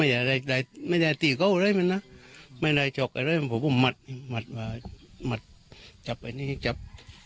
มันก็หลุงนอนเพราะไม่ได้ตีเก้าเลยมันนะไม่ได้เจาะอะไรมันก็มัดมัดจับอันนี้จับ